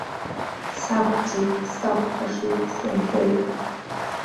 Сақәӡит, сақәхәашеит, сынҵәеит.